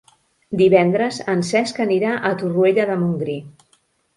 Divendres en Cesc anirà a Torroella de Montgrí.